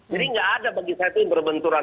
jadi nggak ada bagi saya itu yang berbenturan